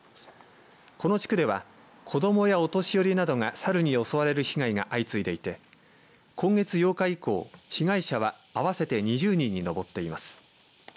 この地区では子どもやお年寄りなどがサルに襲われる被害が相次いでいて今月８日以降、被害者は合わせて２０人に上っています。